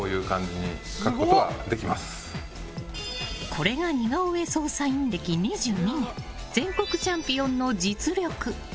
これが似顔絵捜査員歴２２年全国チャンピオンの実力。